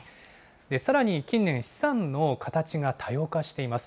さらに近年、資産の形が多様化しています。